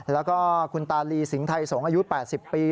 แล้วก็คุณตาลีสิงไทยสงฆ์อายุ๘๐ปี